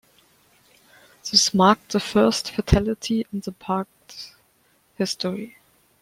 This marked the first fatality in the park's history.